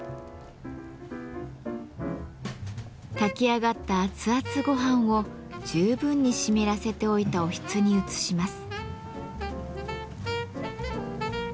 炊き上がったあつあつごはんを十分に湿らせておいたおひつに移します。